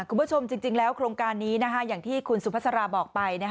คุณผู้ชมจริงแล้วโครงการนี้อย่างที่คุณสุภาษาราบอกไป